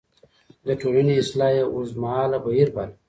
د ټولنې اصلاح يې اوږدمهاله بهير باله.